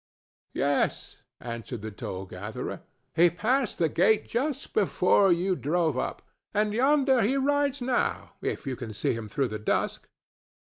"Yes," answered the toll gatherer; "he passed the gate just before you drove up, and yonder he rides now, if you can see him through the dusk.